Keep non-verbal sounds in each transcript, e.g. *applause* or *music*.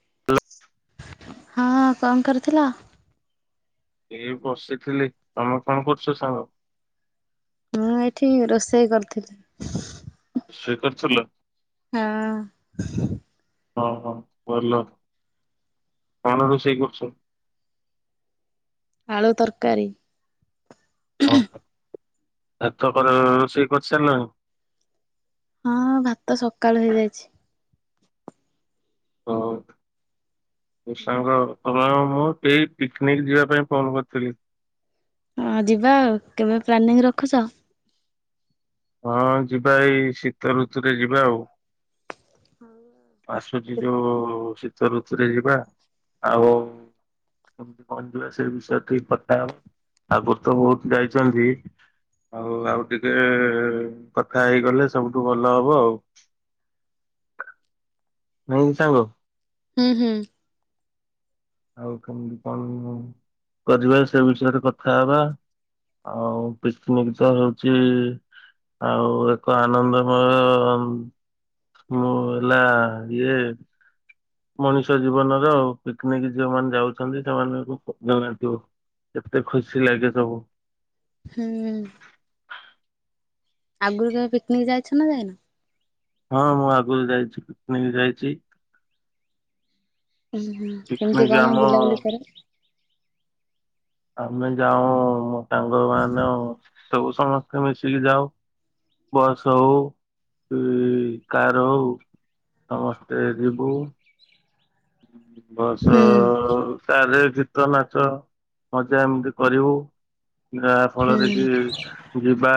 *unintelligible* ହଁ କଣ କରୁଥିଲ? ଏଇ ବସିଥିଲି- ତମେ କଣ କରୁଚ ସାଙ୍ଗ? ମୁଁ ଏଇଠି ରୋଷେଇ କରିଥିଲି। ରୋଷେଇ କରୁଥିଲ? ହଁ। ହଁ -ହଁ ଭଲ କଣ ରୋଷେଇ କରୁଥିଲ? ଆଳୁ ତରକାରୀ। ଓ *unintelligible* ରୋଷେଇ କରିସରିଲାଣି? ହଁ ଭାତ ସକାଳୁ ହେଇଯାଇଚି। ହଉ *unintelligible* ସାଙ୍ଗ *unintelligible* ପିକନିକ୍ ଯିବା ପାଇଁ ଫୋନ୍ କରିଥିଲି। ହଁ ଯିବା ଆଉ କେବେ ପ୍ଲାନିଂ ରଖୁଚ? ହଁ ଯିବା ଏଇ ଶୀତ ଋତୁରେ ଯିବା ଆଉ। ଆସୁଚି ଯଉ ଶୀତ ଋତୁରେ ଯିବା ଆଉ କେମିତି କଣ ଯିବା ସେଇ ବିଷୟରେ ଟିକେ କଥା ହେବା ଆଗୁରୁ ତ ବହୁତ୍ ଯାଇଚନ୍ତି। ଆଉ- ଆଉ ଟିକେ କଥା ହେଇଗଲେ ସବୁଠୁ ଭଲ ହବ ଆଉ। ନାଇଁ କି ସାଙ୍ଗ? ହୁଁ- ହୁଁ। ଆଉ କେମିତି କଣ୍ କରିବା ସେ ବିଷୟରେ କଥା ହବା। ଆଉ ପିକନିକ୍ ତ ହଉଚି ଆଉ ଏକ ଆନନ୍ଦମୟ ମୁଁ ଲା- ଇଏ ମଣିଷ ଜୀବନ ର ଆଉ ପିକନିକ୍ ଯଉମାନେ ଯାଉଚନ୍ତି ସେମାନଙ୍କୁ ଜଣାଥିବ। କେତେ ଖୁସି ଲାଗେ ସବୁ। ହୁଁ। ଆଗରୁ ତମେ ପିକନିକ୍ ଯାଇଛ ନା ଯାଇନ? ହଁ ମୁଁ ଆଗୁରୁ ଯାଇଚି ପିକନିକ୍ ଯାଇଚି। ଉଁ- ହୁଁ କେମିତି ପିକନିକ କଣ ଆମ ବୁଲାବୁଲି କର? ଆମେ ଯାଉ ମୋ ସାଙ୍ଗ ମାନେ ସବୁ ସମସ୍ତେ ମିଶିକି ଯାଉ। ବସ୍ ହଉ ଲି- କାର୍ ହଉ ସମସ୍ତେ ଯିବୁ। ବସ ହୁଁ। କାର୍ ରେ ଯି ତ ନାଚ ମଜା ଏମିତି କରିବୁ ଯାହାଫଳରେ ହୁଁ। କି ଯିବା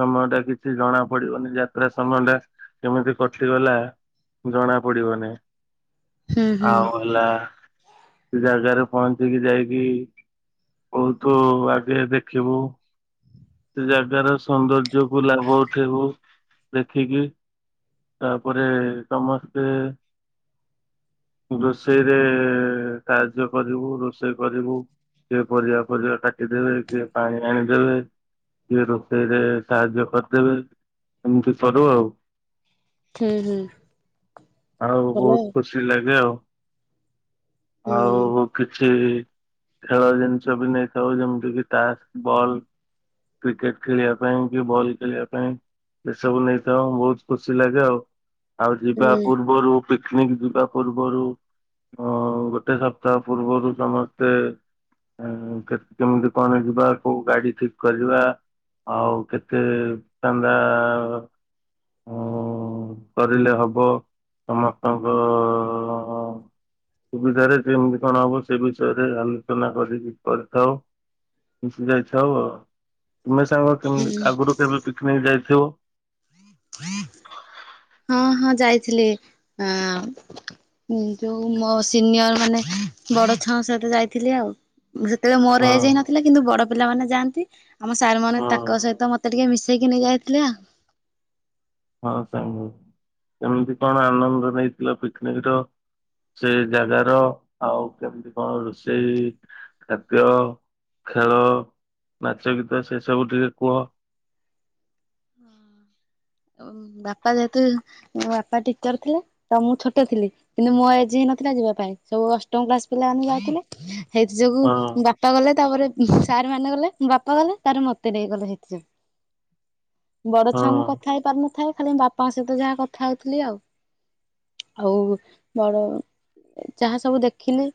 ସମୟଟା କିଛି ଜଣା ପଡିବନି ଯାତ୍ରା ସମୟଟା। କେମିତି କଟିଗଲା ଜଣା ପଡିବନି। ହୁଁ ହୁଁ। ଆଉ ହେଲା ସେ ଜାଗାରେ ପହଞ୍ଚିକି ଯାଇକି ବହୁତୁ ଆଗେରେ ଦେଖିବୁ। ସେ ଜାଗାର ସୌନ୍ଦର୍ଯ୍ୟକୁ ଲାଭ ଉଠେଇବୁ ଦେଖିକି। ତାପରେ ସମସ୍ତେ ରୋଷେଇରେ କାର୍ଯ୍ୟ କରିବୁ ରୋଷେଇ କରିବୁ। କିଏ ପରିବା ଫରିବା କାଟିଦେବେ କିଏ ପାଣି ଆଣିଦେବେ କିଏ ରୋଷେଇରେ ସାହାଯ୍ୟ କରିଦେବେ ଏମିତି କରୁ ଆଉ। ହୁଁ ହୁଁ ଆଉ ବହୁତ ଖୁସି ଲାଗେ ଆଉ। ହୁଁ ଆଉ କିଛି ଖେଳ ଜିନିଷ ବି ନେଇଥାଉ ଯେମିତି କି ତାସ୍ ବଲ୍। କ୍ରିକେଟ ଖେଳିବା ପାଇଁ କି ବଲ୍ ଖେଳିବା ପାଇଁ ଏସବୁ ନେଇଥାଉ ବହୁତ୍ ଖୁସି ଲାଗେ ଆଉ। ଆଉ ହୁଁ ଯିବା ପୂର୍ବରୁ ପିକ୍ନିକ୍‌ ଯିବା ପୂର୍ବରୁ ଅ ଗୋଟେ ସପ୍ତାହ ପୂର୍ବରୁ ସମସ୍ତେ ଏଂ କେତ୍‌ କେମିତି କଣ ଯିବା କୋଉ ଗାଡି ଠିକ୍ କରିବା ଆଉ କେତେ ଚାନ୍ଦା ଅଂ କରିଲେ ହବ। ସମସ୍ତଙ୍କୁ ଉ ସୁବିଧାରେ କେମିତି କଣ ହବ ସେ ବିଷୟରେ ଆଲୋଚନା କରିକି କରିଥାଉ। ମିଶି ଯାଇଥିବ ଆଉ ପୁନେ ସାଙ୍ଗ କେମିତି ହୁଁ ଆଗରୁ କେବେ ପିକ୍ ନିକ୍ ଯାଇଥିବ। ହଁ ହଁ ଯାଇଥିଲି ଆ ଯୋଉ ମୋ ସିନିୟର ମାନେ ବଡ ଛୁଆଙ୍କ ସହିତ ଯାଇଥିଲି ଆଉ। ସେତେବେଳେ ହଁ ମୋର ଏଜ୍‌ ହେଇନଥିଲା କିନ୍ତୁ ବଡ ପିଲାମାନେ ଯାଆନ୍ତି। ଆମ ସାର୍ ମାନେ ହଁ ତାଙ୍କ ସହିତ ମତେ ଟିକେ ମିଶେଇକି ନେଇ ଯାଇଥିଲେ ଆଉ। ହଁ ସାଙ୍ଗ କେମିତି କଣ ଆନନ୍ଦ ନେଇଥିଲ ପିକନିକ ର। ସେ ଜାଗାର ଆଉ କେମିତି କଣ ରୋଷେଇ ଖାଦ୍ୟ ଖେଳ ନାଚ ଗୀତ ସେ ସବୁ ଟିକେ କୁହ। ବାପା ଯେହେତୁ ମୋ ବାପା ଟିଚର ଥିଲେ। ତ ମୁଁ ଛୋଟ ଥିଲି କିନ୍ତୁ ମୋ ଏଜି ହିଁ ନଥିଲା ଯିବା ପାଇଁ ସବୁ ଅଷ୍ଟମ କ୍ଲାସ ପିଲାମାନେ ଯାଇଥିଲେ। ହେଇଥି ଯୋଗୁ ହଁ ବା ବାପା ଗଲେ ତାପରେ ସାର୍ ମାନେ ଗଲେ ବାପା ଗଲେ ତାର ମତେ ନେଇଗଲେ ସେଥିଯୋଗୁ। ବଡ ହଁ ଛୁଆ ମୁଁ କଥା ହେଇ ପାରୁନଥାଏ ଖାଲି ବାପାଙ୍କ ସହିତ ଯାହା କଥା ହଉଥିଲି ଆଉ ଆଉ ବଡ ଯାହା ସବୁ ଦେଖିଲି।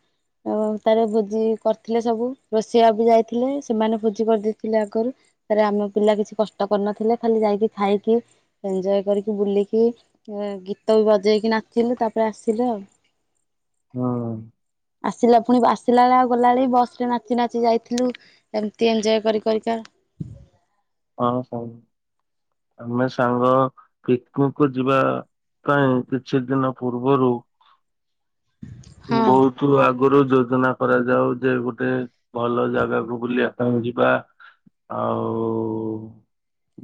ଆଉ ତାର ଭୋଜି କରିଥିଲେ ସବୁ ରୋଷେଇଆ ବି ଯାଇଥିଲେ ସେମାନେ ଭୋଜି କରିଦେଇଥିଲେ ଆଗରୁ ତାରେ ଆମ ପିଲା କିଛି କଷ୍ଟ କରିନଥିଲେ ଖାଲି ଯାଇକି ଖାଇକି ଏନଜୟ କରିକି ବୁଲିକି ଗୀତ ବି ବଜେଇକି ନାଚିଲୁ ତାପରେ ଆସିଲୁ ଆଉ ହଁ। ଆସିଲା ପୁଣି ଆସିଲା ବେଳେ ଆଉ ଗଲାବେଳେ ବସରେ ନାଚି ନାଚି ଯାଇଥିଲୁ। ଏମିତି ଏନଜୟ କରି କରିକା। ହଁ ହଉ। ଆମେ ସାଙ୍ଗ ପିକୁକୁ ଯିବା ପାଇଁ କିଛି ଦିନ ପୂର୍ବରୁ ହଁ ବହୁତ୍ ତୁ ଆଗରୁ ଯୋଜନା କରାଯାଉ ଯେ ଗୋଟେ ଭଲ ଜାଗାକୁ ବୁଲିବା ପାଇଁ ଯିବା। ଆଉ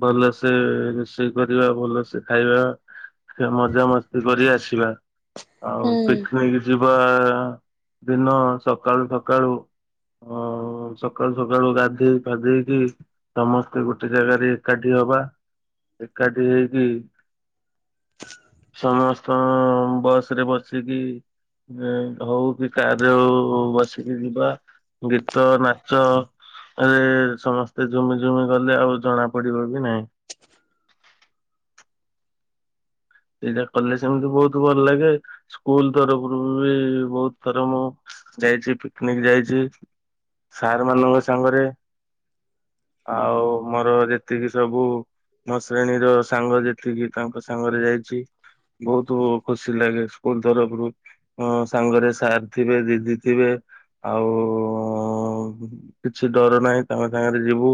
ଭଲସେ ରୋଷେଇ କରିବା ଭଲସେ ଖାଇବା। ମଜାମସ୍ତି କରି ଆସିବା ଆଉ ହୁଁ ପିକ୍ ନିକ୍। ଯିବା ଦିନ ସକାଳୁ ସକାଳୁ। ହ ସକାଳୁ ସକାଳୁ ଗାଧେଇ ଫାଧେଇକି ସମସ୍ତେ ଗୋଟେ ଜାଗାରେ ଏକାଠି ହବା ଏକାଠି ହେଇକି। ସମସ୍ତଙ୍କ ବସରେ ବସିକି ଯେ ତ ହଉ କି କାରରେ ହଉ ବସିକି ଯିବା ଗୀତ ନାଚ ଏରେ ସମସ୍ତେ ଝୁମି ଝୁମି ଗଲେ ଆଉ ଜଣା ପଡିବ ବି ନାହିଁ। ଏଇଟା କଲେ ସେମିତି ବହୁତ ଭଲ ଲାଗେ ସ୍କୁଲ ତରଫରୁ ବି ବହୁତ ଥର ମୁଁ ଯାଇଛି ପିକନିକ ଯାଇଛି ସାର୍ ମାନଙ୍କ ସାଙ୍ଗରେ ଆଉ ମୋର ଯେତିକି ସବୁ ମୋ ଶ୍ରେଣୀ ର ସାଙ୍ଗ ଯେତିକି ବି ତାଙ୍କ ସାଙ୍ଗରେ ଯାଇ ଚି ବହୁତ ଖୁସି ଲାଗେ ସ୍କୁଲ ତରଫରରୁ ହ ସାଙ୍ଗରେ ସାର୍ ଥିବେ ଦିଦି ଥିବେ। ଆଉ କିଛି ଡର ନାହିଁ ତାଙ୍କ ସାଙ୍ଗରେ ଯିବୁ।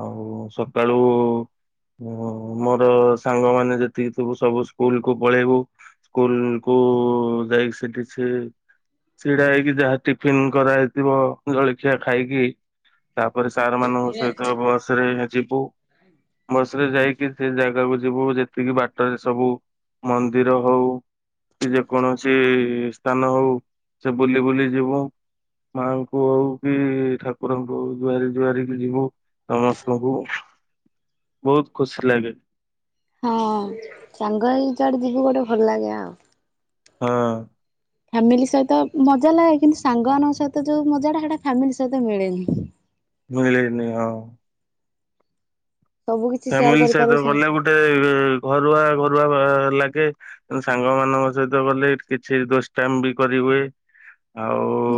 ଆଉ ସକାଳୁ ମୋର ସାଙ୍ଗମାନେ ଯେତିକି ଥିବୁ ସବୁ ସ୍କୁଲ କୁ ପଳେଇବୁ ସ୍କୁଲ କୁ ଯାଇକି ସେଠି ସେ ଛିଡା ହେଇକି ଯାହା ଟିଫିିନ କରାହେଇଥିବ ଜଳଖିଆ ଖାଇକି। ତାପରେ ସାର୍ ମାନଙ୍କ ସହିତ ବସରେ ଯିବୁ *unintelligible* ବସରେ ଯାଇକି ସେ ଜାଗାକୁ ଯିବୁ ଯେତିକି ବାଟରେ ସବୁ ମନ୍ଦିର ହଉ। କି ଯେ କୌଣସି ସ୍ଥାନ ହଉ ସେ ବୁଲି ବୁଲି ଯିବୁ। ମାଙ୍କୁ ହଉ କି ଠାକୁରଙ୍କୁ ହଉ ଜୁଆରି ଜୁଆରିକି ଯିବୁ। ସମସ୍ତଙ୍କୁ ବହୁତୁ ଖୁସି ଲାଗେ। ହଁ ସାଙ୍ଗହେଇକି ଯୁଆଡେ ଯିବୁ ଗୋଟେ ଭଲ ଲାଗେ ଆଉ ହଁ ଫ୍ୟାମିଲି ସହିତ ମଜା ଲାଗେ କିନ୍ତୁ ସାଙ୍ଗମାନଙ୍କ ସହିତ ଯୋଉ ମଜାଟା ସେଟା ଫ୍ୟାମିଲି ସହିତ ମିଳେନି। ମିିଳେନି ହଁ। ସବୁ କିଛି ସେୟାର ଫ୍ୟାମିଲି ସହିତ କରିପାରିବୁ ସାଙ୍ଗ ଗଲେ ସାଥି। ଗୋଟେ ଘରୁଆ ଘରୁଆ ଲାଗେ। ତେଣୁ ସାଙ୍ଗ ମାନଙ୍କ ସହିତ ଗଲେ କିଛି ଦୁଷ୍ଟାମୀବି କରି ହୁଏ ଆଉ ହୁଁ।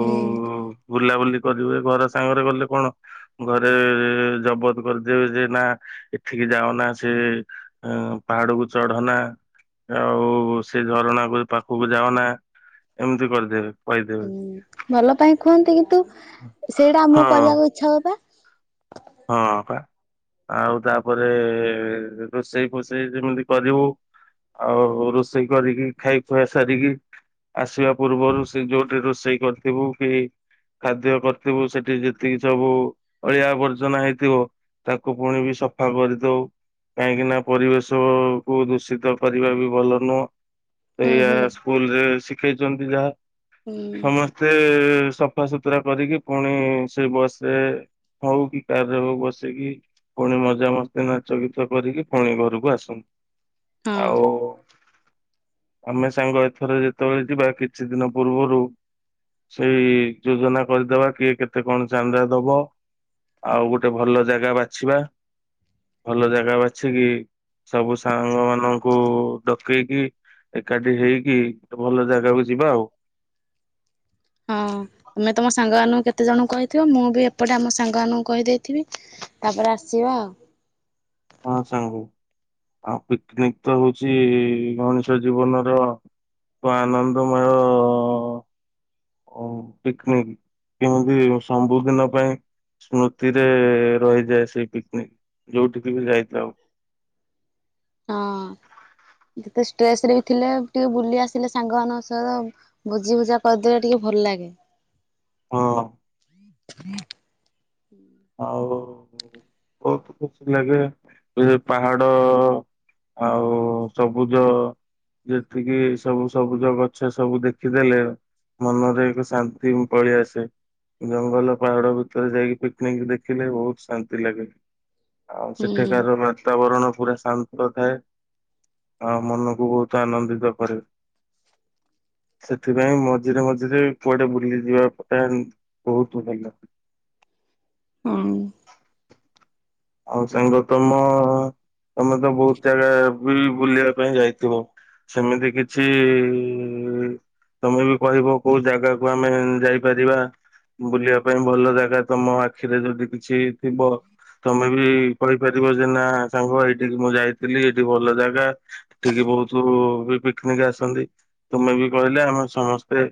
ହଉ ବୁଲାବୁଲି କରିବୁ ଏ ଘର ସାଙ୍ଗରେ ଗଲେ କଣ। ଘରେ ଜବତ କରିଦେବେ ଯେ ନା। ଏଠିକି ଯାଉନା ସେ ଏ ପାହାଡକୁ ଚଢନା। ଆଉ ସେଇ ଝରଣାକୁ ପାଖକୁ ଯାାଉନା ଏମିତି କରିଦେବେ କହିଦେବେ। ହୁଁ ଭଲ ପାଇଁ କୁହନ୍ତି କିନ୍ତୁ ସେଇଟା ହଁ ଆମକୁ କରିବାକୁ ଇଚ୍ଛା ହୁଏ ବା। ହଁ ପା। ଆଉ ତାପରେ ରୋଷେଇ ଫୋଷେଇ ଯେମିତି କରିବୁ। ଆଉ ରୋଷେଇ କରିକି ଖାଇ ଖୁଆ ସାରିକି ଆସିବା। ପୂର୍ବରୁ ସେ ଯୋଉଠି ରୋଷେଇ କରିଥିବୁ କି। ଖାଦ୍ୟ କରିଥିବୁ ସେଠି ଯେତିକି ସବୁ ଅଳିଆ ଆବର ର୍ଜନା ହେଇଥିବ ତାକୁ ପୁଣି ବି ସଫା କରିଦଉ। କାହିଁକି ନା ପରିବେଶ କୁ ଦୂଷିତ କରିବା ବି ଭଲ ନୁହଁ। ହୁଁ ଏଇଆ ହୁଁ ସ୍କୁଲ ରେ ଶିଖେଇଛନ୍ତି ଯାହା ହୁଁ ସମସ୍ତେ। ଏତେ ସଫାସତୁରା କରିକି ପୁଣି ସେଇ ବସ ରେ ହଉ କି। ତା *unintelligible* ବସିକି ପୁଣି ମଜାାମସ୍ତି ନାଚ ଗୀତ କରିକି ପୁଣି ଘରକୁ ଆସନ୍ତିୁ। ହଁ ଆଉ। ଆମେ ସାଙ୍ଗ ଏଥର ଯେତେବେଳେ ଯିବା କିଛି ଦିନ ପୂର୍ବରୁ। ସେଇ ଯୋଜନା କରିଦବା କିଏ କେତେ କଣ ଚାନ୍ଦା ଦବ। ଆଉ ଗୋଟେ ଭଲ ଜାଗା ବାଛିବା ଭଲ ଜାଗା ବାଛିକି। ସବୁ ସାଙ୍ଗ ମାନଙ୍କୁ ଡକେଇକି। ଏକାଠି ହେଇକି ଭଲ ଜାଗାକୁ ଯିବା ଆଉ। ହଁ। ତମେ ତମ ସାଙ୍ଗମାନାନଙ୍କୁ କେତେ ଜଣଙ୍କୁ କହିଥିବ ମୁଁ ବି ଏପଟେ ଆମ ସାଙ୍ଗମାନାନଙ୍କୁ କହିଦେଇଥିବି। ତାପରେ ଆସିବା ଆଉ। ହଁ ସାଙ୍ଗ ଆଉ ପିକନିକ ତ ହଉଛି ମଣିଷ ଜୀବନର। ତ ଆନନ୍ଦମୟ। ପିକନିକ କେମିତି ସବୁ ଦିନ ପାଇଁ। ସ୍ମୃତିରେ ରହିଯାଏ ସେଇ ପିକନିକ ଯୋଉଠିିକି ବି ଯାଇଥାଉ। ହଁ। ହ। ଯେତେ ଷ୍ଟ୍ରେସ ରେ ବି ଥିଲେ ଟିକେ ବୁଲି ଆସିଲେ ସାଙ୍ଗମାନାନଙ୍କ ସହ। ବୁଝି ବୁଝା କରିଦେଲେ ଟିକେ ଭଲ ଲାଗେ। ହଁ। ଆଉ ବହୁତ ଖୁସି ଲାଗେ ପାହାଡ। ଆଉ ସବୁଜ। ଯେତିକି ସବୁ ସବୁଜ ଗଛ ସବୁ ଦେଖିଦେଲେ। ମନରେ ଏକ ଶାନ୍ତି ପଲୀ ଆସେ ଜଙ୍ଗଲ ପାହାଡ ଭିତରେ ଯାଇକି। ରେ ଦେଖିଲେ ବହୁତ ଶାନ୍ତି ଲାଗେ ଆଉ ହୁଁ। ସେଠାକାର। ବାତାବରଣ ପୁରା ଶାନ୍ତ ଥାଏ। ଆଉ ମନକୁ ବହୁତ ଆନନ୍ଦିତ କରିବ। ସେଥିପାଇଁ ମଝିରେ ମଝିରେ କୁଆଡେ ବୁଲିଯିବା ବହୁତ ଭଲ। ହଁ। ଆମ ସାଙ୍ଗ ତମ ତମେ ତ ବହୁତ ଜାଗା ବି ବୁଲିବା ପାଇଁ ଯାଇଥିବ। ସେମିତି କିଛି। ତମେ ବି କହିବ କୋଉ ଜାଗାକୁ ଆମେ ଯାଇପାରିବା। ବୁଲିବା ପାଇଁ ଭଲ ଜାଗା ତମ ଆଖିରେ ଯଦି କିଛି ଥିବ। ତମେ ବି କହିପାରିବ ଯେ ନା ସାଙ୍ଗ ଏଇଠି ମୁଁ ଯାଇଥିଲି ଏଇଠି ଭଲ ଜାଗା। ଠିକି ବହୁତ ବି ପିକନିକ ଆସନ୍ତି ତମେ ବି କହିଲେ ଆମେ ସମସ୍ତେ।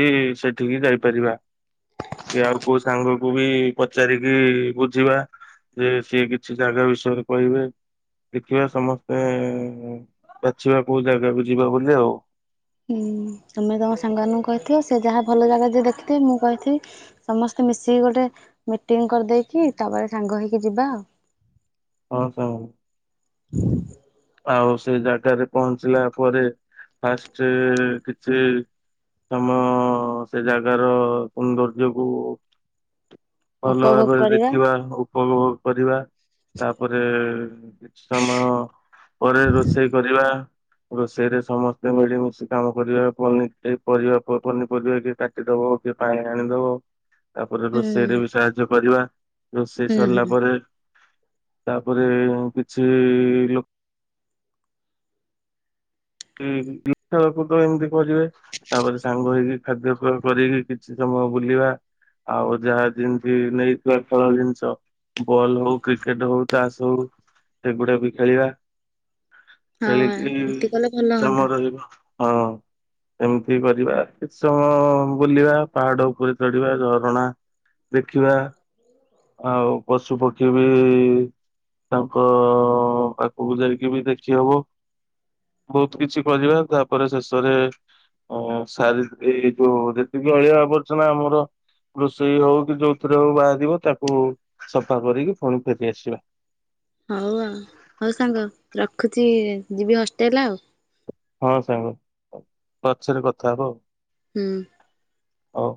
ଏ ସେଠିକି ଯାଇପାରିବା। କି ଆଉ କୋଉ ସାଙ୍ଗକୁୁ ବି ପଚାରିକି ବୁଝିବା। ଯେ ସିଏ କିଛି ଜାଗା ବିଷୟରେ କହିବେ। ଦେଖିବା ସମସ୍ତେ ବାଛିବା କୋଉ ଜାଗାକୁ ଯିବା ବୁଲି ଆଉ। ହଁ ତମେ ତମ ସାଙ୍ଗମାନଙ୍କୁ କହିଥିଅ ସେ ଯାହା ଭଲ ଜାଗା ଯେ ଦେଖିଥିବେ ମୁଁ କହିଥିବି। ସମସ୍ତେ ମିଶିକି ଗୋଟେ ମିଟିଂ କରିଦେଇକି ତାପରେ ସାଙ୍ଗ ହେଇକି ଯିବା ଆଉ। ହଁ ସେଆ ହଉ। ଆଉ ସେ ଜାଗାରେ ପହଞ୍ଚିଲା ପରେ ଫାଷ୍ଟ କିଛି ତମ ସେ ଜାଗାର ସୌନ୍ଦର୍ଯ୍ୟକୁ ଭଲ ଉପଭୋଗ ଭାବରେ କରିବା ଦେଖିବା ଉପୋଭୋଗ କରିବା ତାପରେ କିଛି ସମୟ ପରେ ରୋଷେଇ କରିବା। ରୋଷେଇରେ ସମସ୍ତେ ମିଳିମିଶି କାମ କରିବା ପନି ପରିବା ଏ ପନିପରିବା କାଟି ଟି ଦେବ କିଏ ପାଣି ଆଣିଦବ। ତାପରେ ହୁଁ ରୋଷେଇରେ ବି ସାହାଯ୍ୟ କରିବା ରୋଷେଇ ହୁଁ ସରିଲା ହୁଁ ପରେ। ତାପରେ କିଛି ଲୋକ ଗୁଟଳୋ ପୁଟୋଳ ଏମିତି କରିବେ ତାପରେ ସାଙ୍ଗ ହେଇକି ଖାଦ୍ୟ ପ୍ରୟୋଗ କରିକି କିଛି ସମୟ ବୁଲିବା। ଆଉ ଯାହା ଯେମିତି ନେଇଥିବା ଖେଳ ଜିନିଷ ବଲ୍ ହଉ କ୍ରିକେଟ ହଉ ତାଷ ହଉ ଏଗୁଡା ବି ଖେଳିବା। ହଁ ଖେଳିକି ରୁଟି କଲେ ଭଲ ସମୟ ହୁଅନ୍ତା। ହଁ। ଏମିତି କରିବା କିଛି ସମୟ ବୁଲିବା ପାହାଡ ଉପରେ ଚଢିବା ଝରଣା ଦେଖିବା ଆଉ ପଶୁ ପକ୍ଷୀ ବି ତାଙ୍କ ପାଖକୁ ଯାଇିକି ବି ଦେଖି ହବ। ବହୁତ କିଛି କରିବା ତାପରେ ଶେଷରେ ଓ ସାରି ଏଇ ଯୋଉ ଯେତିକି ଅଳିଆ ଆବର୍ଜନା ଆମର ରୋଷେଇ ହଉ କି ଯୋଉଥିରେ ହଉ ବାହାରିବ ତାକୁ ସଫା କରିକି ପୁଣି ଫେରିଆସିବା। ହଉ ଆଉ ହଉ ସାଙ୍ଗ ରଖୁଛି ଯିବି ହଷ୍ଟେଲ ଆଉ। ହଁ ସାଙ୍ଗ ପଛରେ କଥା ହବା ଆଉ। ହୁଁ। ହଉ।